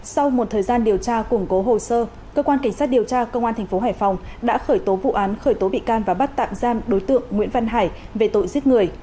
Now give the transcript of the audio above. sau một thời gian điều tra củng cố hồ sơ cơ quan cảnh sát điều tra công an tp hải phòng đã khởi tố vụ án khởi tố bị can và bắt tạm giam đối tượng nguyễn văn hải về tội giết người